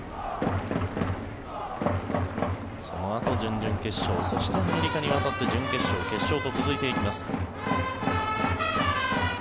そのあと、準々決勝そしてアメリカに渡って準決勝、決勝と続いていきます。